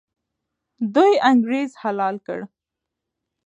دوی انګریز حلال کړ.